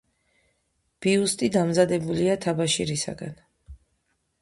ბიუსტი დამზადებულია თაბაშირისაგან.